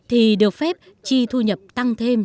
thì được phép chi thu nhập tăng thêm